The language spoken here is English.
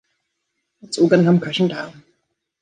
It's all going to come crashing down.